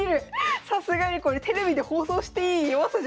さすがにこれテレビで放送していい弱さじゃない。